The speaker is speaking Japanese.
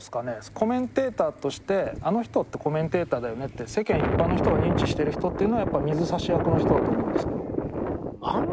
コメンテーターとしてあの人ってコメンテーターだよねって世間一般の人が認知してる人っていうのはやっぱ水差し役の人だと思うんですけど。